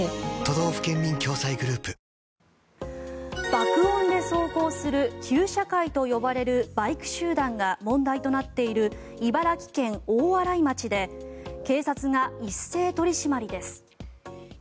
爆音で走行する旧車會と呼ばれるバイク集団が問題となっている茨城県大洗町で警察が一斉取り締まりです。